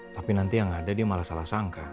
tapi nanti yang ada dia malah salah sangka